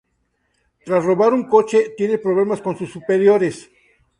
Tras robar un coche, tiene problemas con sus superiores.